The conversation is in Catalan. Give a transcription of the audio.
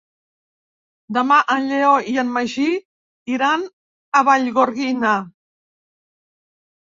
Demà en Lleó i en Magí iran a Vallgorguina.